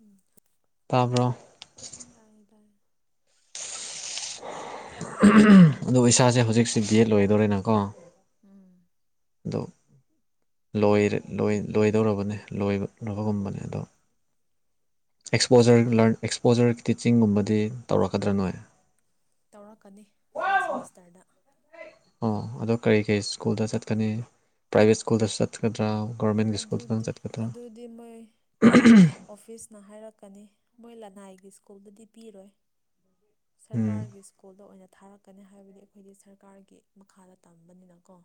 ꯎꯝ ꯇꯥꯕ꯭ꯔꯣ ꯇꯥꯏꯌꯦ ꯇꯥꯢꯌꯦ ꯑꯗꯣ ꯏꯁꯥꯁꯦ ꯍꯧꯖꯤꯛꯁꯦ ꯕꯤ ꯑꯦꯠ ꯂꯣꯏꯗꯣꯔꯦꯅꯀꯣ ꯎꯝ ꯑꯗꯨꯣ ꯂꯣꯏꯔꯦ ꯂꯣꯏꯗꯧꯔꯕꯅꯦ ꯂꯣꯏꯕ ꯂꯣꯢꯒꯨꯝꯕꯅꯦ ꯑꯗꯣ ꯑꯦꯛꯁꯄꯣꯖꯔ ꯂ꯭ꯔꯥꯟ ꯑꯦꯛꯁꯄꯣꯖꯔ ꯇꯤꯆꯤꯡꯒꯨꯝꯕꯗꯤ ꯇꯧꯔꯛꯀꯗ꯭ꯔꯥ ꯅꯣꯏ ꯇꯧꯔꯛꯀꯅꯤ ꯐꯣꯔꯠ ꯁꯦꯃꯤꯁꯇꯔꯗ ꯑꯣ ꯑꯗꯣ ꯀꯔꯤ ꯀꯔꯤ ꯁ꯭ꯀꯨꯜꯗ ꯆꯠꯀꯅꯤ ꯄ꯭ꯔꯥꯏꯕꯦꯠ ꯁ꯭ꯀꯨꯜꯗꯁꯨ ꯆꯠꯀꯗ꯭ꯔꯥ ꯒꯣꯔꯃꯦꯟꯒꯤ ꯁ꯭ꯀꯨꯜꯗꯗꯪ ꯆꯠꯀꯗ꯭ꯔꯥ ꯑꯣꯐꯤꯁꯅ ꯍꯥꯏꯔꯛꯀꯅꯤ ꯃꯣꯏ ꯂꯅꯥꯏꯒꯤ ꯁ꯭ꯀꯨꯜꯗꯗꯤ ꯄꯤꯔꯣꯏ ꯁꯔꯀꯥꯔꯒꯤ ꯁ꯭ꯀꯨꯜꯗ ꯑꯣꯏꯅ ꯊꯥꯔꯛꯀꯅꯤ ꯍꯥꯏꯕꯗꯤ ꯑꯩꯈꯣꯏꯗꯤ ꯁꯔꯀꯥꯔꯒꯤ ꯃꯈꯥꯗ ꯇꯝꯕꯅꯤꯅꯀꯣ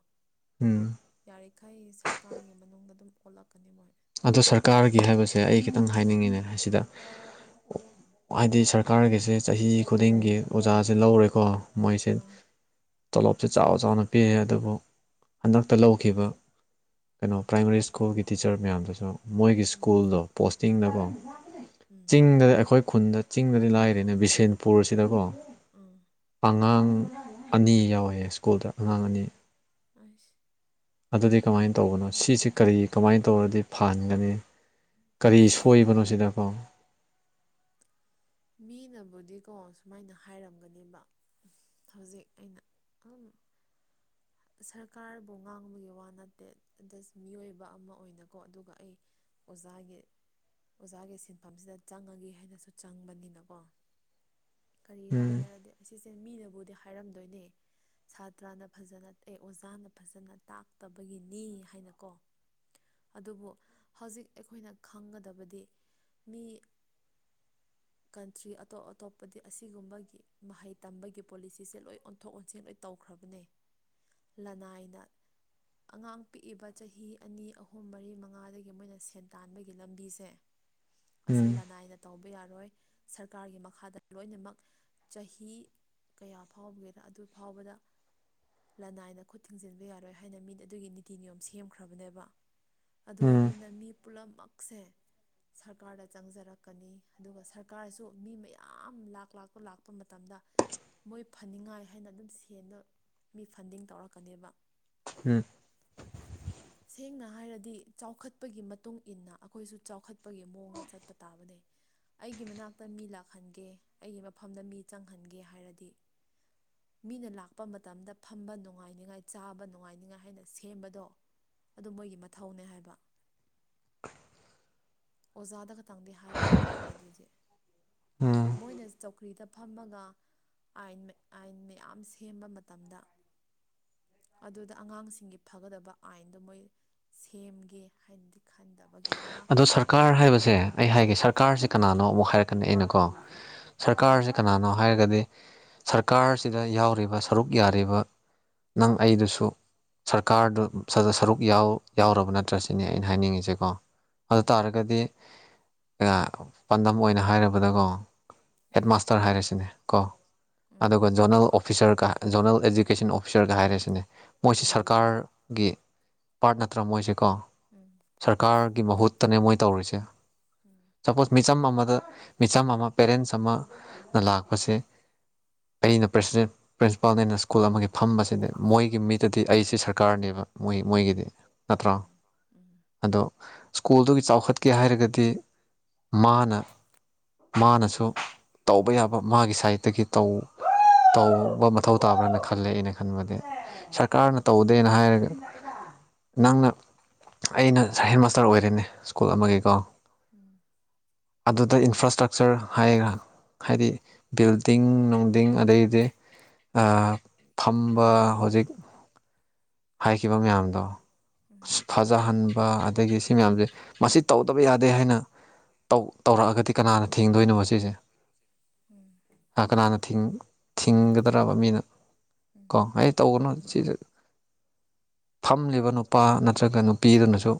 ꯎꯝ ꯌꯥꯔꯤꯈꯩ ꯁꯔꯀꯥꯔꯒꯤ ꯃꯅꯨꯡꯗ ꯑꯗꯨꯝ ꯑꯣꯜꯂꯛꯀꯥꯅꯤ ꯃꯣꯢ ꯑꯗꯨꯗ ꯁꯔꯀꯥꯔꯒꯤ ꯍꯥꯏꯕꯁꯦ ꯑꯩ ꯈꯤꯇꯪ ꯍꯥꯏꯅꯤꯡꯉꯤꯅꯦ ꯑꯁꯤꯗ ꯍꯥꯏꯗꯤ ꯁꯔꯀꯥꯔꯒꯤꯁꯦ ꯆꯍꯤ ꯈꯨꯗꯤꯡꯒꯤ ꯑꯣꯖꯥꯁꯦ ꯂꯧꯔꯦꯀꯣ ꯃꯣꯏꯁꯦ ꯇꯣꯂꯣꯞꯁꯨ ꯆꯥꯎ ꯆꯥꯎꯅ ꯄꯤꯌꯦ ꯑꯗꯨꯕꯨ ꯍꯟꯗꯛꯇ ꯂꯧꯈꯤꯕ ꯀꯩꯅꯣ ꯄ꯭ꯔꯥꯏꯃꯥꯔꯤ ꯁ꯭ꯀꯨꯜꯒꯤ ꯇꯤꯆꯔ ꯃꯌꯥꯝꯗꯁꯨ ꯃꯣꯏꯒꯤ ꯁ꯭ꯀꯨꯜꯗꯣ ꯄꯣꯁꯇꯤꯡꯗꯀꯣ ꯆꯤꯡꯗ ꯑꯩꯈꯣꯏ ꯈꯨꯟꯗ ꯆꯤꯡꯗꯗꯤ ꯂꯥꯏꯔꯦꯅꯦ ꯕꯤꯁꯦꯟꯄꯨꯔꯁꯤꯗꯀꯣ ꯑꯉꯥꯡ ꯑꯅꯤ ꯌꯥꯎꯋꯦ ꯁ꯭ꯀꯨꯜꯗ ꯑꯉꯥꯡ ꯑꯅꯤ ꯑꯁ ꯑꯗꯨꯗꯤ ꯀꯃꯥꯏꯅ ꯇꯧꯕꯅꯣ ꯁꯤꯁ ꯀꯔꯤ ꯀꯃꯥꯏꯅ ꯇꯧꯔꯗꯤ ꯐꯍꯟꯒꯅꯤ ꯀꯔꯤ ꯁꯣꯏꯕꯅꯣ ꯁꯤꯗꯀꯣ ꯃꯤꯅꯕꯨꯗꯤꯀꯣ ꯁꯨꯃꯥꯏꯅ ꯍꯥꯏꯔꯝꯒꯅꯦꯕ ꯍꯧꯖꯤꯛ ꯑꯩꯅ ꯑꯗꯨꯝ ꯁꯔꯀꯥꯔꯕꯨ ꯉꯥꯡꯕꯒꯤ ꯋꯥ ꯅꯠꯇꯦ ꯃꯤꯑꯣꯏꯕ ꯑꯃ ꯑꯣꯏꯅꯀꯣ ꯑꯗꯨꯒ ꯑꯩ ꯑꯣꯖꯥꯒꯤ ꯑꯣꯖꯥꯒꯤ ꯁꯤꯟꯐꯝꯁꯤꯗ ꯆꯪꯉꯒꯦ ꯍꯥꯏꯅꯁꯨ ꯆꯪꯕꯅꯤꯅꯀꯣ ꯀꯔꯤꯔꯥ ꯍꯥꯏꯔꯗꯤ ꯑꯁꯤꯁꯦ ꯃꯤꯅꯕꯨꯗꯤ ꯍꯥꯏꯔꯝꯗꯣꯏꯅꯦ ꯁꯥꯇ꯭ꯔꯅ ꯐꯖꯅ ꯑꯦ ꯑꯣꯖꯥꯅ ꯐꯖꯅ ꯇꯥꯛꯇꯕꯒꯤꯅꯤ ꯍꯥꯏꯅꯀꯣ ꯑꯗꯨꯕꯨ ꯍꯧꯖꯤꯛ ꯑꯩꯈꯣꯏꯅ ꯈꯪꯒꯗꯕꯗꯤ ꯃꯤ [inaudible] ꯀꯟꯇ꯭ꯔꯤ ꯑꯇꯣꯞ ꯑꯇꯣꯞꯄꯗꯤ ꯑꯁꯤꯒꯨꯝꯕꯒꯤ ꯃꯍꯩ ꯇꯝꯕꯒꯤ ꯄꯣꯂꯤꯁꯤꯁꯦ ꯂꯣꯏ ꯑꯣꯟꯊꯣꯛ ꯑꯣꯟꯁꯤꯟ ꯂꯣꯢ ꯇꯧꯈ꯭ꯔꯕꯅꯦ ꯂꯅꯥꯏꯅ ꯑꯉꯥꯡ ꯄꯤꯛꯏꯕ ꯆꯍꯤ ꯑꯅꯤ ꯑꯍꯨꯝ ꯃꯔꯤ ꯃꯉꯥꯗꯒꯤ ꯃꯣꯏꯅ ꯁꯦꯟ ꯇꯥꯟꯕꯒꯤ ꯂꯝꯕꯤꯁꯦ ꯑꯁꯦ ꯂꯅꯥꯏꯅ ꯇꯧꯕ ꯌꯥꯔꯣꯏ ꯁꯔꯀꯥꯔꯒꯤ ꯃꯈꯥꯗ ꯂꯣꯏꯅꯃꯛ ꯆꯍꯤ ꯀꯌꯥ ꯐꯥꯎꯕꯒꯤꯔ ꯑꯗꯨ ꯐꯥꯎꯕꯗ ꯂꯅꯥꯏꯅ ꯈꯨꯠ ꯊꯤꯡꯖꯤꯟꯕ ꯌꯥꯔꯣꯏ ꯍꯥꯏꯅ ꯃꯤ ꯑꯗꯨꯒꯤ ꯅꯤꯇꯤ ꯅꯤꯌꯣꯝ ꯁꯦꯝꯈ꯭ꯔꯕꯅꯦꯕ ꯑꯗꯨ ꯑꯣꯏꯕꯅꯤꯅ ꯃꯤ ꯄꯨꯝꯂꯥꯃꯛꯁꯦ ꯁꯔꯀꯥꯔꯗ ꯆꯪꯖꯔꯛꯀꯅꯤ ꯑꯗꯨꯒ ꯁꯔꯀꯥꯔꯁꯨ ꯃꯤ ꯃꯌꯥꯝ ꯂꯥꯛ ꯂꯥꯛꯄ ꯂꯥꯛꯄ ꯃꯇꯝꯗ ꯃꯣꯏ ꯐꯅꯤꯡꯉꯥꯏ ꯍꯥꯏꯅ ꯑꯗꯨꯝ ꯁꯦꯟꯗꯣ ꯃꯤ ꯐꯟꯗꯤꯡ ꯇꯧꯔꯛꯀꯅꯦꯕ ꯎꯝ ꯁꯦꯡꯅ ꯍꯥꯏꯔꯗꯤ ꯆꯥꯎꯈꯠꯄꯒꯤ ꯃꯇꯨꯡ ꯏꯟꯅ ꯑꯈꯣꯏꯁꯨ ꯆꯥꯎꯈꯠꯄꯒꯤ ꯃꯑꯣꯡꯗ ꯆꯠꯄ ꯇꯥꯕꯅꯦ ꯑꯩꯒꯤ ꯃꯅꯥꯛꯇ ꯃꯤ ꯂꯥꯛꯍꯟꯒꯦ ꯑꯩꯒꯤ ꯃꯐꯝꯗ ꯃꯤ ꯆꯪꯍꯟꯒꯦ ꯍꯥꯏꯔꯗꯤ ꯃꯤꯅ ꯂꯥꯛꯄ ꯃꯇꯝꯗ ꯐꯝꯕ ꯅꯨꯡꯉꯥꯏꯅꯤꯉꯥꯏ ꯆꯥꯕ ꯅꯨꯡꯉꯥꯏꯅꯤꯉꯥꯏ ꯍꯥꯏꯅ ꯁꯦꯝꯕꯗꯣ ꯑꯗꯨ ꯃꯣꯏꯒꯤ ꯃꯊꯧꯅꯦ ꯍꯥꯏꯕ ꯑꯣꯖꯥꯗ ꯈꯇꯪꯗꯤ ꯍꯥꯏꯕ ꯌꯥꯔꯣꯏꯕ ꯑꯗꯨꯗꯤ ꯃꯣꯏꯅ ꯆꯧꯀ꯭ꯔꯤꯗ ꯐꯝꯃꯒ ꯑꯥꯏꯟ ꯑꯥꯏꯟ ꯃꯌꯥꯝ ꯁꯦꯝꯕ ꯃꯇꯝꯗ ꯑꯗꯨꯗ ꯑꯉꯥꯡꯁꯤꯡꯒꯤ ꯐꯒꯗꯕ ꯑꯥꯏꯟꯗꯣ ꯃꯣꯏ ꯁꯦꯝꯒꯦ ꯍꯥꯏꯅꯗꯤ ꯑꯗꯣ ꯁꯔꯀꯥꯔ ꯍꯥꯏꯕꯖꯦ ꯑꯩ ꯍꯥꯏꯒꯦ ꯁꯔ ꯁꯔꯀꯥꯔꯁꯤ ꯀꯅꯥꯅꯣ ꯑꯃꯨꯛ ꯍꯥꯏꯔꯛꯀꯅꯤ ꯑꯩꯅꯀꯣ ꯁꯔꯀꯥꯔꯁꯤ ꯀꯅꯥꯅꯣ ꯍꯥꯏꯔꯒꯗꯤ ꯁꯔꯀꯥꯔꯁꯤꯗ ꯌꯥꯎꯔꯤꯕꯁ ꯁꯔꯨꯛ ꯌꯥꯔꯤꯕ ꯅꯪ ꯑꯩꯗꯨꯁꯨ ꯁꯔꯀꯥꯔꯗꯨ ꯁꯔ ꯁꯔꯨꯛ ꯌꯥꯎ ꯌꯥꯎꯔꯕ ꯅꯠꯇ꯭ꯔ ꯁꯤꯅꯦ ꯑꯩꯅ ꯍꯥꯏꯅꯤꯡꯉꯤꯁꯦꯀꯣ ꯑꯗꯨ ꯇꯥꯔꯒꯗꯤ ꯌꯥ ꯄꯥꯟꯗꯝ ꯑꯣꯏꯅ ꯍꯥꯏꯔꯕꯗꯀꯣ ꯍꯦꯠ ꯃꯥꯁꯇꯔ ꯍꯥꯏꯔꯤꯁꯤꯅꯦ ꯀꯣ ꯑꯗꯨꯒ ꯖꯣꯅꯦꯜ ꯑꯣꯐꯤꯁꯔ ꯀ ꯖꯣꯅꯦꯜ ꯑꯦꯖꯨꯀꯦꯁꯟ ꯑꯣꯐꯤ ꯑꯣꯐꯤꯁꯔꯒ ꯍꯥꯏꯔꯁꯤꯅꯦ ꯃꯣꯏꯁꯤ ꯁꯔꯀꯥꯔꯒꯤ ꯄꯥꯔꯠ ꯅꯠꯇ꯭ꯔ ꯃꯣꯏꯁꯦꯀꯣ ꯎꯝ ꯁꯔꯀꯥꯔꯒꯤ ꯃꯍꯨꯠꯇꯅꯦ ꯃꯣꯏ ꯇꯧꯔꯤꯁꯦ ꯁꯄꯣꯁ ꯃꯤꯆꯝ ꯑꯃꯗ ꯃꯤꯆꯝ ꯑꯃ ꯄꯦꯔꯦꯟꯁ ꯑꯃꯅ ꯂꯥꯛꯄꯁꯦ ꯑꯩꯅ ꯄ꯭ꯔꯁꯤꯗꯦꯟ ꯄ꯭ꯔꯤꯟꯁꯤꯄꯥꯜꯅꯦꯅ ꯁ꯭ꯀꯨꯜ ꯑꯃꯒꯤ ꯐꯝꯕꯁꯤꯅꯦ ꯃꯣꯏꯒꯤ ꯃꯤꯗꯗꯤ ꯑꯩꯁꯦ ꯁꯔꯀꯥꯔꯅꯦꯕ ꯃꯣꯏ ꯃꯣꯏꯒꯤꯗꯤ ꯅꯠꯇ꯭ꯔꯣ ꯎꯝ ꯑꯗꯣ ꯁ꯭ꯀꯨꯜꯗꯨꯒꯤ ꯆꯥꯎꯈꯠꯀꯦ ꯍꯥꯏꯔꯒꯗꯤ ꯃꯥꯅ ꯃꯥꯅꯁꯨ ꯇꯧꯕ ꯌꯥꯕ ꯃꯥꯒꯤ ꯁꯥꯏꯠꯇꯒꯤ ꯇꯧ ꯇꯧꯕ ꯃꯊꯧ ꯇꯥꯕ꯭ꯔꯅ ꯈꯜꯂꯦ ꯑꯩꯅ ꯈꯟꯕꯗꯤ ꯁꯔꯀꯥꯔꯅ ꯇꯧꯗꯦꯅ ꯍꯥꯏꯔꯒ ꯅꯪꯅ ꯑꯩꯅ ꯍꯦꯠꯃꯥꯁꯇꯔ ꯑꯣꯏꯔꯤꯅꯦ ꯏꯁ꯭ꯀꯨꯜ ꯑꯃꯒꯤꯀꯣ ꯑꯗꯨꯗ ꯏꯟꯐ꯭ꯔꯥ꯭ꯏꯁꯇ꯭ꯔꯛꯆꯔ ꯍꯥꯏꯔꯒ ꯍꯥꯏꯗꯤ ꯕꯤꯜꯗꯤꯡ ꯅꯨꯡꯗꯤꯡ ꯑꯗꯩꯗꯤ ꯑꯥ ꯐꯝꯕ ꯍꯧꯖꯤꯛ ꯍꯥꯏꯈꯤꯕ ꯃꯌꯥꯝꯗꯣ ꯑꯁ ꯐꯖꯍꯟꯕ ꯑꯗꯒꯤ ꯁꯤ ꯃꯌꯥꯝꯁꯦ ꯃꯁꯤ ꯇꯧꯗꯕ ꯌꯥꯗꯦ ꯃꯁꯤ ꯇꯧꯗꯕ ꯌꯥꯗꯦ ꯍꯥꯏꯅ ꯇꯧꯔꯛꯑꯒꯗꯤ ꯀꯅꯥꯅ ꯊꯤꯡꯗꯣꯏꯅꯣ ꯃꯁꯦ ꯎꯝ ꯀꯅꯥꯅ ꯊꯤꯡ ꯊꯤꯡꯒꯗ꯭ꯔꯕ ꯃꯤꯅ ꯀꯣ ꯑꯩꯅ ꯇꯧꯒꯅꯨ ꯁꯤꯖꯦ ꯐꯝꯂꯤꯕ ꯅꯨꯄꯥ ꯅꯠꯇ꯭ꯔꯒ ꯅꯨꯄꯤꯗꯨꯅꯁꯨ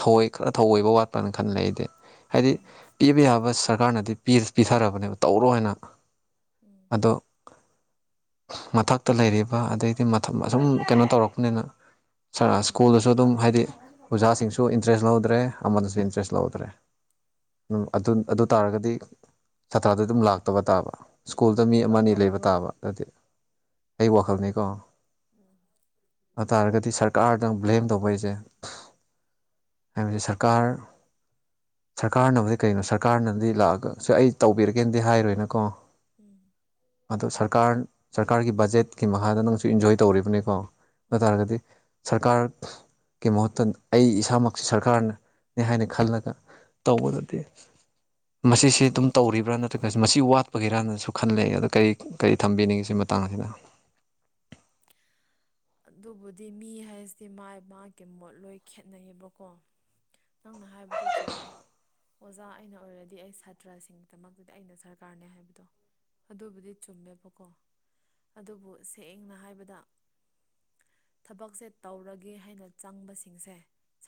ꯊꯧꯑꯣꯏ ꯊꯧꯑꯣꯏꯕ ꯋꯥꯠꯄ꯭ꯔꯅ ꯈꯜꯂꯦ ꯑꯩꯗꯤ ꯍꯥꯏꯗꯤ ꯄꯤꯕ ꯌꯥꯕꯁ ꯁꯔꯀꯥꯔꯅꯗꯤ ꯄꯤꯁ ꯄꯤꯁ [unintelligible] ꯄꯤꯊꯔꯕꯅꯦꯕ ꯇꯧꯔꯣ ꯍꯥꯏꯅ ꯑꯗꯣ ꯃꯊꯛꯇ ꯂꯩꯔꯤꯕ ꯑꯗꯩꯗꯤ ꯃꯊꯛ ꯑꯁꯨꯝ ꯀꯩꯅꯣ ꯇꯧꯔꯛꯄꯅꯤꯅ ꯁꯥꯔꯥ ꯏꯁ꯭ꯀꯨꯜꯗꯁꯨ ꯑꯗꯨꯝ ꯍꯥꯏꯗꯤ ꯑꯣꯖꯥꯁꯤꯡꯁꯨ ꯏꯟꯇꯔꯦꯁ ꯂꯧꯗ꯭ꯔꯦ ꯑꯃꯅꯁꯨ ꯏꯟꯇꯔꯦꯁ ꯂꯧꯗ꯭ꯔꯦ ꯎꯝ ꯑꯗꯨ ꯇꯥꯔꯒꯗꯤ ꯁꯥꯇ꯭ꯔꯗꯤ ꯑꯗꯨꯝ ꯂꯥꯛꯇꯕ ꯇꯥꯕ ꯁ꯭ꯀꯨꯜꯗ ꯃꯤ ꯑꯃꯅꯤ ꯂꯩꯕ ꯇꯥꯕ ꯑꯗꯨꯗꯤ ꯑꯩ ꯋꯥꯈꯜꯅꯤꯀꯣ ꯎꯝ ꯑꯗꯨ ꯇꯥꯔꯒꯗꯤ ꯁꯔꯀꯥꯔꯗꯪ ꯕ꯭ꯂꯦꯝ ꯇꯧꯕ ꯍꯥꯏꯁꯦ ꯍꯥꯏꯕꯁꯦꯔꯀꯥ ꯀꯥꯔ ꯁꯔꯀꯥꯔꯅꯕꯨꯗꯤ ꯀꯩꯅꯣ ꯁꯔꯀꯥꯔꯅꯗꯤ ꯂꯥꯛꯑꯒ ꯁ ꯑꯩ ꯇꯧꯕꯤꯔꯒꯦꯅꯗꯤ ꯍꯥꯏꯔꯣꯏꯅꯀꯣ ꯎꯝ ꯑꯗꯣ ꯁꯔꯀꯥꯔ ꯁꯔꯀꯥꯔꯒꯤ ꯕꯖꯦꯠꯀꯤ ꯃꯈꯥꯗ ꯅꯪꯁꯨ ꯏꯟꯖꯣꯏ ꯇꯧꯔꯤꯕꯅꯤꯀꯣ ꯑꯗꯨ ꯇꯥꯔꯒꯗꯤ ꯁꯔꯀꯥꯔꯒꯤ ꯃꯍꯨꯠꯇ ꯑꯩ ꯏꯁꯥꯃꯛꯁꯤ ꯁꯔꯀꯥꯔꯅ ꯍꯥꯏꯅ ꯈꯜꯂꯒ ꯇꯧꯕꯗꯗꯤ ꯃꯁꯤꯁꯤ ꯑꯗꯨꯝ ꯇꯧꯔꯤꯕ꯭ꯔꯥ ꯅꯠꯇ꯭ꯔꯒꯁꯨ ꯃꯁꯤ ꯋꯥꯠꯄꯒꯤꯔꯅꯁꯨ ꯈꯜꯂꯦ ꯑꯗꯣ ꯀꯔꯤ ꯀꯔꯤ ꯊꯝꯕꯤꯅꯤꯡꯉꯤ ꯁꯤ ꯃꯇꯥꯡꯁꯤꯅ [inaudible] ꯑꯗꯨꯕꯨꯗꯤ ꯃꯤ ꯍꯥꯏꯁꯤꯦ ꯃꯥꯏ ꯃꯥꯏꯒꯤ ꯃꯣꯠ ꯂꯣꯏ ꯈꯦꯠꯅꯩꯌꯦꯕꯀꯣ ꯅꯪꯅ ꯍꯥꯏꯕꯗꯨ ꯆꯨꯝꯃꯦ ꯑꯣꯖꯥ ꯑꯩꯅ ꯑꯣꯏꯔꯗꯤ ꯑꯩ ꯁꯥꯇ꯭ꯔꯁꯤꯡꯒꯤꯗꯃꯛꯇꯗꯤ ꯑꯩꯅ ꯁꯔꯀꯥꯔꯅꯦ ꯍꯥꯏꯕꯗꯣ ꯑꯗꯨꯕꯨꯗꯤ ꯆꯨꯝꯃꯦꯕꯀꯣ ꯑꯗꯨꯕꯨ ꯁꯦꯡꯅ ꯍꯥꯏꯕꯗ ꯊꯕꯛꯁꯦ ꯇꯧꯔꯒꯦ ꯍꯥꯏꯅ ꯆꯪꯕꯁꯤꯡꯁꯦ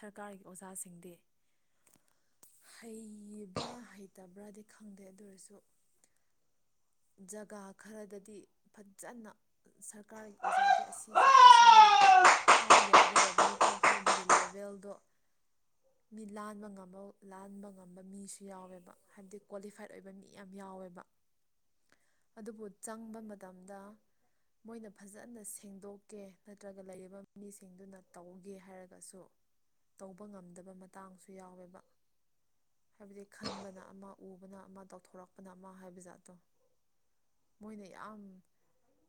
ꯁꯔꯀꯥꯔꯒꯤ ꯑꯣꯖꯥꯁꯤꯡꯗꯤ ꯍꯩꯕ꯭ꯔꯥ ꯍꯩꯇꯕ꯭ꯔꯥꯗꯤ ꯈꯪꯗꯦ ꯑꯗꯨ ꯑꯣꯏꯔꯁꯨ ꯖꯒꯥ ꯈꯔꯗꯗꯤ ꯐꯖꯅ ꯁꯔꯀꯥꯔꯒꯤ ꯑꯣꯖꯥꯗꯤ ꯑꯁꯤꯁꯦ ꯑꯁꯤꯅꯤ ꯐꯥꯎ ꯌꯥꯎꯒꯗꯕꯅꯤꯀꯣ ꯍꯥꯏꯕꯒꯤ ꯂꯦꯚꯦꯜꯗꯣ [inaudible] ꯃꯤ ꯂꯥꯟꯕ ꯉꯝꯕ ꯂꯥꯟꯕ ꯉꯝꯕ ꯃꯤꯁꯨ ꯌꯥꯎꯋꯦꯕ ꯍꯥꯏꯕꯗꯤ ꯀ꯭ꯋꯥꯂꯤꯐꯥꯏꯗ ꯑꯣꯏꯕ ꯃꯤ ꯌꯥꯝ ꯌꯥꯎꯋꯦꯕ [inaudible] ꯑꯗꯨꯕꯨ ꯆꯪꯕ ꯃꯇꯝꯗ ꯃꯣꯏꯅ ꯐꯖꯅ ꯁꯦꯡꯗꯣꯛꯀꯦ ꯅꯠꯇ꯭ꯔꯒ ꯂꯩꯔꯤꯕ ꯃꯤꯁꯤꯡꯗꯨꯅ ꯇꯧꯒꯦ ꯍꯥꯏꯔꯒꯁꯨ ꯇꯧꯕ ꯉꯝꯗꯕ ꯃꯇꯥꯡꯁꯨ ꯌꯥꯎꯋꯦꯕ ꯍꯥꯏꯕꯗꯤ ꯈꯟꯕꯅ ꯑꯃ ꯎꯕꯅ ꯑꯃ ꯇꯧꯊꯣꯔꯛꯄꯅ ꯑꯃ ꯍꯥꯏꯕ ꯖꯥꯠꯇꯣ ꯃꯣꯏꯅ ꯌꯥꯝ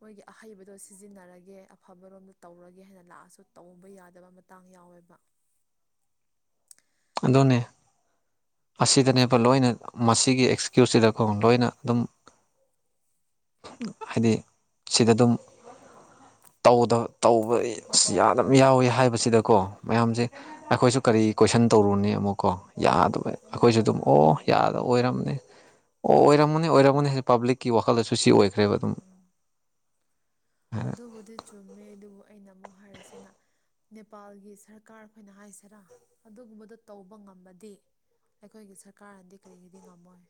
ꯃꯣꯏꯒꯤ ꯑꯍꯩꯕꯗꯣ ꯁꯤꯖꯤꯟꯅꯔꯒꯦ ꯑꯐꯕꯔꯣꯝꯗ ꯇꯧꯔꯒꯦ ꯍꯥꯏꯅ ꯂꯥꯛꯑꯁꯨ ꯇꯧꯕ ꯌꯥꯗꯕ ꯃꯇꯥꯡ ꯌꯥꯎꯋꯦꯕ ꯑꯗꯨꯅꯦ ꯑꯁꯤꯗꯅꯦꯕ ꯂꯣꯏꯅ ꯃꯁꯤꯒꯤ ꯑꯦꯛꯁꯀ꯭ꯌꯨꯁꯇꯗꯀꯣ ꯂꯣꯏꯅ ꯑꯗꯨꯝ ꯍꯥꯏꯗꯤ ꯁꯤꯗ ꯑꯗꯨꯝ ꯇꯧꯗꯕ ꯇꯧꯕ ꯑ ꯌꯥꯅ ꯌꯥꯎꯋꯤ ꯍꯥꯏꯕꯁꯤꯗꯀꯣ ꯃꯌꯥꯝꯁꯦ ꯑꯩꯈꯣꯏꯁꯨ ꯀꯔꯤ ꯀꯣꯏꯁꯟ ꯇꯧꯔꯨꯅꯤ ꯑꯃꯨꯛꯀꯣ ꯌꯥꯗꯕ ꯑꯩꯈꯣꯏꯁꯨ ꯑꯗꯨꯝ ꯑꯣ ꯌꯥꯗ ꯑꯣꯏꯔꯝꯅꯤ ꯑꯣ ꯑꯣꯏꯔꯝꯃꯅꯤ ꯑꯣꯏꯔꯝꯃꯅꯤ ꯍꯧꯖꯤꯛ ꯄꯥꯕ꯭ꯂꯤꯛꯀꯤ ꯋꯥꯈꯜ ꯋꯈꯜꯗꯁꯨ ꯁꯤ ꯑꯣꯏꯈ꯭ꯔꯦꯕ ꯑꯗꯨꯝ ꯑꯗꯨꯕꯨꯗꯤ ꯆꯨꯝꯃꯦ ꯑꯗꯨꯕꯨ ꯑꯩꯅ ꯑꯃꯨꯛ ꯍꯥꯏꯔꯤꯁꯤꯅ ꯅꯦꯄꯥꯜꯒꯤ ꯁꯔꯀꯥꯔ ꯑꯩꯈꯣꯏꯅ ꯍꯥꯏꯁꯤꯔꯥ ꯑꯗꯨꯒꯨꯝꯕꯗꯣ ꯇꯧꯕ ꯉꯝꯃꯗꯤ ꯑꯩꯈꯣꯏꯒꯤ ꯁꯔꯀꯥꯔꯅꯗꯤ ꯀꯔꯤꯒꯤꯗꯤ ꯉꯝꯃꯣꯏ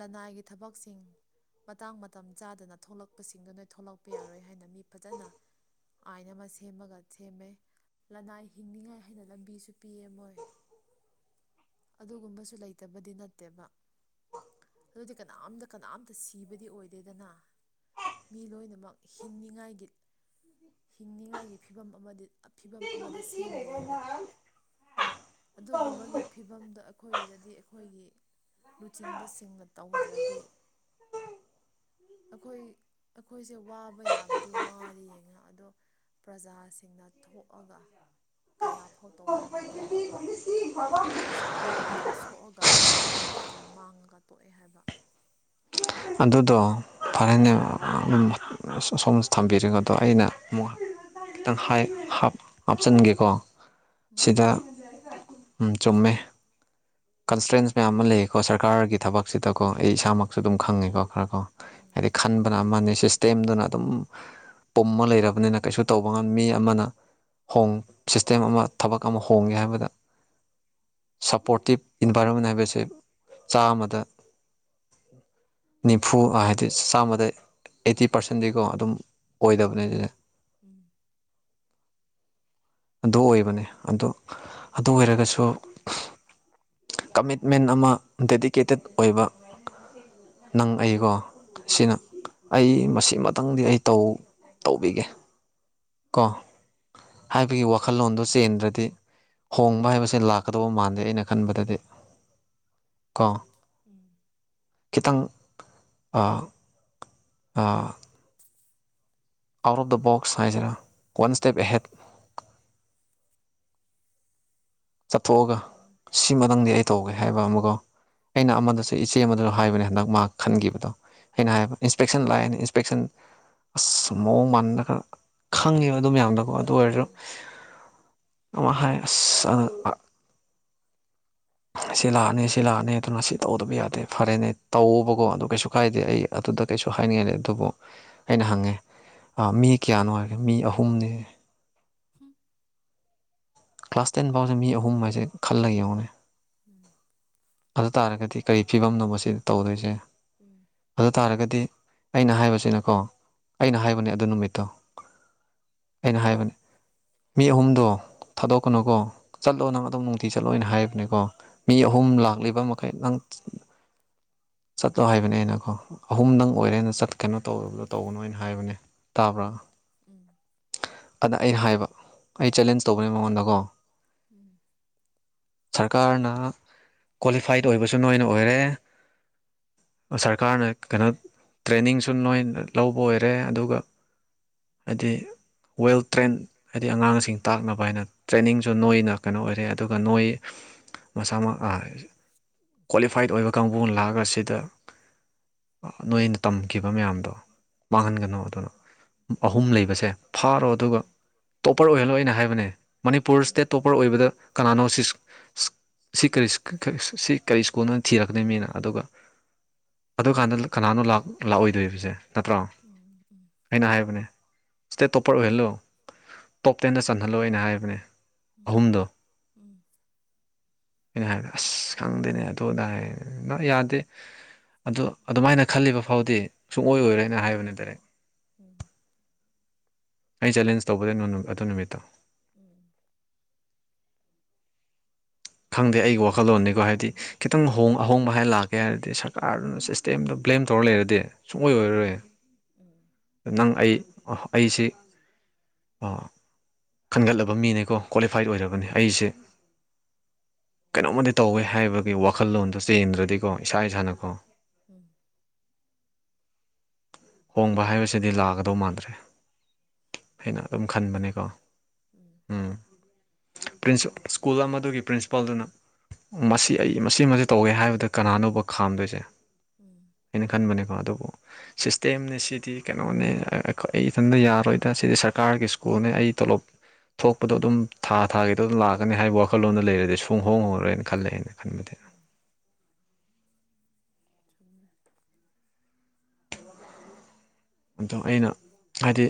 ꯂꯅꯥꯏꯒꯤ ꯊꯕꯛꯁꯤꯡ ꯃꯇꯥꯡ ꯃꯇꯝ ꯆꯥꯗꯅ ꯊꯣꯛꯂꯛꯄꯁꯤꯡ ꯁꯤꯡꯗꯨꯅ ꯊꯣꯛꯂꯛꯄ ꯌꯥꯔꯣꯏ ꯍꯥꯏꯅ ꯃꯤ ꯐꯖꯅ ꯑꯥꯏꯟ ꯑꯃ ꯁꯦꯝꯃꯒ ꯁꯦꯝꯃꯦ ꯂꯅꯥꯏ ꯍꯤꯡꯅꯤꯡꯉꯥꯏ ꯍꯥꯏꯅ ꯂꯝꯕꯤꯁꯨ ꯄꯤꯌꯦ ꯃꯣꯏ ꯑꯗꯨꯒꯨꯝꯕꯁꯨ ꯂꯩꯇꯕꯗꯤ ꯅꯠꯇꯦꯕ ꯑꯗꯨꯗꯤ ꯀꯅꯥꯝꯇ ꯀꯅꯥꯝꯇ ꯁꯤꯕꯗꯤ ꯑꯣꯏꯗꯦꯗꯅ ꯃꯤ ꯂꯣꯏꯅꯃꯛ ꯍꯤꯡꯅꯤꯉꯥꯏꯒꯤ ꯍꯤꯡꯅꯤꯡꯉꯥꯏꯒꯤ ꯐꯤꯕꯝ ꯑꯃꯗꯤ ꯐꯤꯕꯝ ꯑꯃꯗ ꯁꯦꯝꯕꯤꯌꯦꯕ ꯑꯗꯨꯒꯨꯝꯕꯒꯤ ꯐꯤꯕꯝꯗꯣ ꯑꯩꯈꯣꯏꯒꯤꯗꯗꯤ ꯑꯩꯈꯣꯏꯒꯤ ꯂꯨꯆꯤꯡꯕꯁꯤꯡꯅ ꯇꯧꯗ꯭ꯔꯗꯤ ꯑꯩꯈꯣꯏ ꯑꯩꯈꯣꯏꯁꯦ ꯋꯥꯕ ꯌꯥꯕꯗꯤ ꯋꯥꯔꯦ ꯌꯦꯡꯉꯦ ꯑꯗꯣ ꯄ꯭ꯔꯖꯥꯁꯤꯡꯅ ꯊꯣꯛꯑꯒ ꯀꯌꯥꯐꯥꯎ ꯇꯧꯕ ꯉꯝꯕ꯭ꯔꯅꯤ ꯑꯩꯈꯣꯏ ꯄ꯭ꯔꯖꯥ ꯑꯩꯈꯣꯏꯈꯠ ꯇꯪ ꯁꯣꯛꯑꯒ ꯄ꯭ꯔꯖꯥ ꯑꯩꯈꯣꯏ ꯈꯇꯪ ꯃꯥꯡꯉꯒ ꯇꯣꯛꯑꯦ ꯍꯥꯏꯕ ꯑꯗꯨꯗꯣ ꯐꯔꯦꯅꯦ ꯑꯝ ꯁꯣꯝ ꯊꯝꯕꯤꯔꯤꯒꯗꯣ ꯑꯩꯅ [unintelligible] ꯈꯤꯇꯪ ꯍꯥꯏ ꯍꯥꯞ ꯍꯥꯞꯆꯟꯒꯦ ꯀꯣ ꯁꯤꯗ ꯎꯝ ꯆꯨꯝꯃꯦ ꯀꯟꯁꯇ꯭ꯔꯦꯟꯁ ꯃꯌꯥꯝ ꯑꯃ ꯂꯩꯌꯦꯀꯣ ꯁꯔꯀꯥꯔꯒꯤ ꯊꯕꯛꯁꯤꯗꯀꯣ ꯑꯩ ꯏꯁꯥꯃꯛꯁꯨ ꯑꯗꯨꯝ ꯈꯪꯉꯦꯀꯣ ꯈꯔꯀꯣ ꯍꯥꯏꯗꯤ ꯈꯟꯕꯅ ꯑꯃꯅꯤ ꯁꯤꯁꯇꯦꯝꯗꯨꯅ ꯑꯗꯨꯝ ꯄꯨꯝꯃ ꯂꯩꯔꯕꯅꯤꯅ ꯀꯩꯁꯨ ꯇꯧꯕ ꯉꯝ ꯃꯤ ꯑꯃꯅ ꯍꯣꯡ ꯁꯤꯁꯇꯦꯝ ꯑꯃ ꯊꯕꯛ ꯑꯃ ꯍꯣꯡꯉꯦ ꯍꯥꯏꯕꯗ ꯁꯞꯄꯣꯔꯇꯤꯞ ꯏꯟꯚꯥꯏꯔꯣꯟꯃꯦꯟ ꯍꯥꯏꯕꯁꯦ ꯆꯥꯃꯗ ꯅꯤꯐꯨ ꯍꯥꯏꯗꯤ ꯆꯥꯝꯃꯗ ꯑꯦꯠꯇꯤ ꯄꯥꯔꯁꯦꯟꯗꯤꯀꯣ ꯑꯗꯨꯝ ꯑꯣꯏꯗꯕꯅꯦ ꯖꯦ ꯎꯝ ꯑꯗꯨ ꯑꯣꯏꯕꯅꯦ ꯑꯗꯨ ꯑꯗꯨ ꯑꯣꯏꯔꯒꯁꯨ ꯀꯃꯤꯠꯃꯦꯟ ꯑꯃ ꯗꯦꯗꯤꯀꯦꯇꯦꯠ ꯑꯣꯏꯕ ꯅꯪ ꯑꯩꯀꯣ ꯁꯤꯅ ꯑꯩ ꯃꯁꯤꯃꯇꯪꯗꯤ ꯑꯩ ꯇꯧ ꯇꯧꯕꯤꯒꯦ ꯀꯣ ꯍꯥꯏꯕꯒꯤ ꯋꯥꯈꯜꯂꯣꯟꯗꯣ ꯆꯦꯟꯗ꯭ꯔꯗꯤ ꯍꯣꯡꯕ ꯍꯥꯏꯕꯁꯦ ꯂꯥꯛꯀꯗꯧꯕ ꯃꯥꯟꯗꯦ ꯑꯩꯅ ꯈꯟꯕꯗꯗꯤ ꯀꯣ ꯈꯤꯇꯪ ꯑꯥ ꯑꯥ ꯑꯥꯎꯠ ꯑꯣꯐ ꯗ ꯕꯣꯛꯁ ꯍꯥꯏꯁꯤꯔꯥ ꯋꯥꯟ ꯁ꯭ꯇꯦꯞ ꯑꯦꯍꯦꯠ ꯆꯠꯊꯣꯛꯑꯒ ꯁꯤꯃꯗꯪꯗꯤ ꯑꯩ ꯇꯧꯒꯦ ꯍꯥꯏꯕ ꯑꯃꯒꯣ ꯑꯩꯅ ꯑꯃꯗꯁꯨ ꯏꯆꯦ ꯑꯃꯗꯖꯨ ꯍꯥꯏꯕꯅꯦ ꯍꯟꯗꯛ ꯃꯥ ꯈꯟꯒꯤꯕꯗꯣ ꯑꯩꯅ ꯍꯥꯏꯕ ꯏꯟꯁꯄꯦꯛꯁꯟ ꯂꯥꯛꯑꯦꯅꯦ ꯏꯟꯁꯄꯦꯛꯁꯟ ꯑꯁ ꯃꯑꯣꯡ ꯃꯥꯟꯔꯒ ꯈꯪꯉꯦꯕ ꯑꯗꯨ ꯃꯌꯥꯝꯗꯣꯀꯣ ꯑꯗꯨ ꯑꯣꯏꯔꯖꯨ ꯑꯃꯍꯥꯏ ꯑꯁ ꯑ ꯁꯤ ꯂꯥꯛꯑꯅꯤ ꯁꯤ ꯂꯥꯛꯑꯅꯤ ꯑꯗꯨꯅ ꯁꯤ ꯇꯧꯗꯕ ꯌꯥꯗꯦ ꯐꯔꯦꯅꯦ ꯇꯧꯑꯣꯕꯀꯣ ꯑꯗꯨ ꯀꯩꯁꯨ ꯀꯥꯏꯗꯦ ꯑꯩ ꯑꯗꯨꯗ ꯀꯩꯁꯨ ꯍꯥꯏꯅꯤꯡꯉꯥꯏ ꯂꯩ ꯑꯗꯨꯕꯨ ꯑꯩꯅ ꯍꯪꯉꯦ ꯑꯥ ꯃꯤ ꯀꯌꯥꯅꯣ ꯍꯥꯏꯔꯦ ꯃꯤ ꯑꯍꯨꯝꯅꯦ ꯍꯨꯝ ꯀ꯭ꯂꯥꯁ ꯇꯦꯟ ꯐꯥꯎꯖꯦ ꯃꯤ ꯑꯍꯨꯝ ꯍꯥꯏꯁꯦ ꯈꯜꯂ ꯌꯦꯡꯉꯣꯅꯦ ꯎꯝ ꯑꯗꯨ ꯇꯥꯔꯒꯗꯤ ꯀꯔꯤ ꯐꯤꯕꯝꯅꯣꯕꯁꯤꯗ ꯇꯧꯗꯣꯏꯁꯦ ꯎꯝ ꯑꯗꯨ ꯇꯥꯔꯒꯗꯤ ꯑꯩꯅ ꯍꯥꯏꯕꯁꯤꯅꯀꯣ ꯑꯩꯅ ꯍꯥꯏꯕꯅꯦ ꯑꯗꯨ ꯅꯨꯃꯤꯠꯇꯣ ꯑꯩꯅ ꯍꯥꯏꯕꯅꯦ ꯃꯤ ꯑꯍꯨꯝꯗꯣ ꯊꯥꯗꯣꯛꯀꯅꯨꯀꯣ ꯆꯠꯂꯣ ꯅꯪ ꯑꯗꯨꯝ ꯅꯨꯡꯇꯤ ꯆꯠꯂꯣ ꯑꯩꯅ ꯍꯥꯏꯕꯅꯦꯀꯣ ꯃꯤ ꯑꯍꯨꯝ ꯂꯥꯛ ꯂꯤꯕ ꯃꯈꯩ ꯅꯪ ꯆꯠꯂꯣ ꯍꯥꯏꯕꯅꯦ ꯑꯩꯅꯀꯣ ꯑꯍꯨꯝꯗꯪ ꯑꯣꯏꯔꯦꯅ ꯆꯠꯀꯅꯣ ꯇꯧꯔꯕꯗꯣ ꯇꯧꯒꯅꯣ ꯑꯩꯅ ꯍꯥꯏꯕꯅꯦ ꯇꯥꯕ꯭ꯔꯥ ꯎꯝ ꯑꯗ ꯑꯩꯅ ꯍꯥꯏꯕ ꯑꯩ ꯆꯦꯂꯦꯟꯖ ꯇꯧꯕꯅꯦ ꯃꯉꯣꯟꯗꯀꯣ ꯎꯝ ꯁꯔꯀꯥꯔꯅ ꯀ꯭ꯋꯥꯂꯤꯐꯥꯏꯠ ꯑꯣꯏꯕꯁꯨ ꯅꯣꯏꯅ ꯑꯣꯏꯔꯦ ꯁꯔꯀꯥꯔꯅ ꯀꯩꯅꯣ ꯇ꯭ꯔꯦꯅꯤꯡ ꯁꯨ ꯅꯣꯏꯅ ꯂꯧꯕ ꯑꯣꯏꯔꯦ ꯑꯗꯨꯒ ꯍꯥꯏꯗꯤ ꯋꯦꯜ ꯇ꯭ꯔꯦꯟ ꯍꯥꯏꯗꯤ ꯑꯉꯥꯡꯁꯤꯡ ꯇꯥꯛꯅꯕ ꯍꯥꯏꯅ ꯇ꯭ꯔꯦꯅꯤꯡꯁꯨ ꯅꯣꯏꯅ ꯀꯩꯅꯣ ꯑꯣꯏꯔꯦ ꯑꯗꯨꯒ ꯅꯣꯏ ꯃꯁꯥꯃꯛ ꯑꯥ ꯀ꯭ꯋꯥꯂꯤꯐꯥꯏꯠ ꯑꯣꯏꯕ ꯀꯥꯡꯕꯨ ꯂꯥꯛꯑꯒ ꯑꯁꯤꯗ ꯅꯣꯏꯅ ꯇꯝꯈꯤꯕ ꯃꯌꯥꯝꯗꯣ ꯃꯥꯡꯍꯟꯒꯅꯣ ꯑꯗꯨꯅ ꯑꯍꯨꯝ ꯂꯩꯕꯁꯦ ꯐꯥꯔꯣ ꯑꯗꯨꯒ ꯇꯣꯞꯄꯔ ꯑꯣꯏꯍꯜꯂꯣ ꯑꯩꯅ ꯍꯥꯏꯕꯅꯦ ꯃꯅꯤꯄꯨꯔ ꯁ꯭ꯇꯦꯠ ꯇꯣꯞꯄꯔ ꯑꯣꯏꯕꯗ ꯀꯅꯥꯅꯣ ꯁꯤ ꯁꯤ ꯀꯔꯤ ꯁ꯭ꯀꯨꯜ ꯁꯤ ꯀꯔꯤ ꯁ꯭ꯀꯨꯜ ꯅꯣ ꯊꯤꯔꯛꯀꯅꯤ ꯃꯤꯅ ꯑꯗꯨꯒ ꯑꯗꯨꯀꯥꯟꯗ ꯀꯅꯥꯅꯣ ꯂꯥꯛ ꯂꯥꯛꯑꯣꯏꯗꯣꯏꯕꯖꯦ ꯅꯠꯇ꯭ꯔꯣ ꯑꯩꯅ ꯍꯥꯏꯕꯅꯦ ꯁ꯭ꯇꯦꯠ ꯇꯣꯞꯄꯔ ꯑꯣꯏꯍꯜꯂꯨ ꯇꯣꯞ ꯇꯦꯟꯗ ꯆꯟꯍꯜꯂꯣꯅ ꯍꯥꯏꯕꯅꯦ ꯑꯍꯨꯝꯗꯣ ꯎꯝ ꯑꯩꯅ ꯍꯥꯏꯕꯗ ꯑꯁ ꯈꯪꯗꯦꯅꯦ ꯑꯗꯨ ꯑꯗꯥ ꯅ ꯌꯥꯗꯦ ꯑꯗꯨ ꯑꯗꯨꯃꯥꯏꯅ ꯈꯜꯂꯤꯕ ꯐꯥꯎꯗꯤ ꯁꯨꯡꯑꯣꯢ ꯑꯣꯏꯔꯣꯢꯅ ꯍꯥꯏꯕꯅꯦ ꯗꯥꯏꯔꯦꯛ ꯎꯝ ꯑꯩ ꯆꯦꯂꯦꯟꯖ ꯇꯧꯕꯅꯦ ꯑꯗꯨ ꯅꯨꯃꯤꯠꯇꯣ ꯎꯝ ꯈꯪꯗꯦ ꯑꯩꯒꯤ ꯋꯥꯈꯜꯂꯣꯟꯅꯤꯀꯣ ꯍꯥꯏꯕꯗꯤ ꯈꯤꯇꯪꯛ ꯍꯣꯡ ꯑꯍꯣꯡꯕ ꯍꯥꯏ ꯂꯥꯛꯀꯦ ꯍꯥꯏꯔꯗꯤ ꯁꯔꯀꯥꯔꯅ ꯇꯦꯝꯗꯣ ꯕ꯭ꯂꯦꯝ ꯇꯧꯔ ꯂꯩꯔꯗꯤ ꯁꯨꯡꯑꯣꯏ ꯑꯣꯏꯔꯔꯣꯏ ꯎꯝ ꯅꯪ ꯑꯩ ꯑꯩꯁꯦ ꯑꯥ ꯈꯟꯒꯠꯂꯕ ꯃꯤꯅꯦꯀꯣ ꯀ꯭ꯋꯥꯂꯤꯐꯥꯏꯠ ꯑꯣꯏꯔꯕꯅꯤ ꯑꯩꯁꯦ ꯀꯩꯅꯣꯝꯃꯗꯤ ꯇꯧꯋꯦ ꯍꯥꯏꯕꯒꯤ ꯋꯥꯈꯜꯂꯣꯟꯗꯣ ꯆꯦꯟꯗ꯭ꯔꯗꯤꯀꯣ ꯏꯁꯥ ꯏꯁꯥꯅꯀꯣ ꯍꯣꯡꯕ ꯍꯥꯏꯕꯁꯤꯗꯤ ꯂꯥꯛꯀꯗꯧ ꯃꯥꯟꯗ꯭ꯔꯦ ꯑꯩꯅ ꯑꯗꯨꯝ ꯈꯟꯕꯅꯦꯀꯣ ꯎꯝ ꯄ꯭ꯔꯤꯟꯁꯤ ꯁ꯭ꯀꯨꯜ ꯑꯃꯗꯨꯒꯤ ꯄ꯭ꯔꯤꯟꯁꯤꯄꯥꯜꯗꯨꯅ ꯃꯁꯤ ꯑꯩ ꯃꯁꯤꯃꯖꯦ ꯇꯧꯒꯦ ꯍꯥꯏꯕꯗ ꯀꯅꯥꯅꯣꯕ ꯈꯥꯝꯗꯣꯏꯁꯦ ꯑꯩꯅ ꯈꯟꯕꯅꯦꯀꯣ ꯑꯗꯨꯕꯨ ꯁꯤꯁꯇꯦꯝꯅꯦ ꯁꯤꯗꯤ ꯀꯩꯅꯣꯅꯦ ꯑꯩ ꯏꯊꯟꯇ ꯌꯥꯗꯦ [unintelligible] ꯁꯤꯗꯤ ꯁꯔꯀꯥꯔꯒꯤ ꯁ꯭ꯀꯨꯜꯅꯦ ꯑꯩ ꯇꯣꯂꯣꯞ ꯊꯣꯛꯄꯗꯣ ꯑꯗꯨꯝ ꯊꯥ ꯊꯥꯒꯤꯗꯣ ꯑꯗꯨꯝ ꯂꯥꯛꯀꯅꯤ ꯍꯥꯏꯕ ꯋꯥꯈꯜꯂꯣꯟꯗ ꯂꯩꯔꯗꯤ ꯁꯨꯡ ꯍꯣꯡ ꯍꯣꯡꯉꯔꯣꯢꯅ ꯈꯜꯂꯦ ꯑꯩꯅ ꯈꯟꯕꯗꯤ ꯎꯝ ꯆꯨꯝꯃꯦ ꯑꯗꯣ ꯑꯩꯅ ꯍꯥꯏꯗꯤ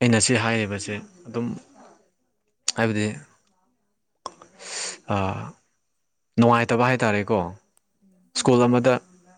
ꯑꯩꯅ ꯁꯤ ꯍꯥꯏꯔꯤꯕꯁꯦ ꯑꯗꯨꯝ ꯍꯥꯏꯕꯗꯤ ꯑꯥ ꯅꯨꯡꯉꯥꯏꯇꯕ ꯍꯥꯏꯇꯥꯔꯦꯀꯣ ꯁ꯭ꯀꯨꯜ ꯑꯃꯗ